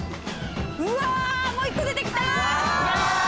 うわもう１個出て来た！